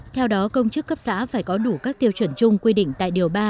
theo đó công chức cấp xã phải có đủ các tiêu chuẩn chung quy định tại điều ba